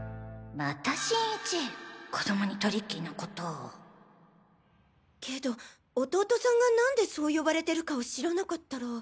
また新一子供にトリッキーな事をけど弟さんが何でそう呼ばれてるかを知らなかったら。